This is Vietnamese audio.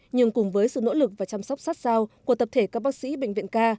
nhưng cùng với sự nỗ lực và chăm sóc sát sao của tập thể các bác sĩ bệnh viện ca